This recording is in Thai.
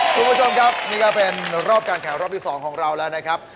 คุณผู้ชมครับนี่ก็เป็นรอบการแข่งรอบที่๒ของเราแล้วนะครับ